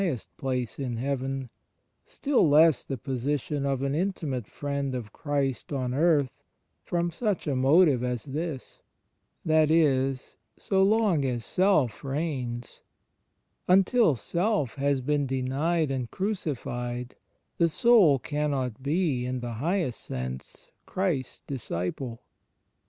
CHRIST IN HIS mSTOEICAL LIFE 1 23 place in heaven, still less the position of an intimate friend of Christ on earth, from such a motive as this. That is, so long as Self reigns, until Self has been denied and crucified, the soul cannot be, in the highest sense, Christ's disciple.